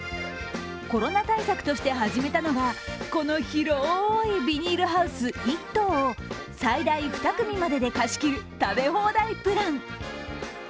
コロナ対策として始めたのが、この広いビニールハウス１棟を最大２組までで貸し切る食べ放題プラン。